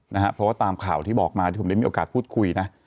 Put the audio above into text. เพราะว่าตามข่าวที่บอกมาที่ผมได้มีโอกาสพูดคุยนะ